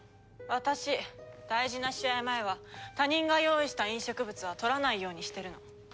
私大事な試合前は他人が用意した飲食物は取らないようにしてるの。